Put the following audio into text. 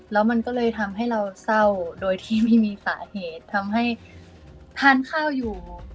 แล้วมันก็เลยทำให้เราเศร้าโดยที่ไม่มีสาเหตุทำให้ทานข้าวอยู่